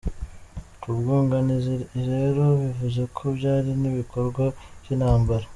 Kubwunganizi irero bivuze ko byari nk’ibikorwa by’intambara.